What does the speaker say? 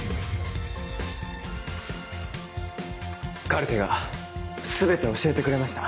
カルテが全て教えてくれました。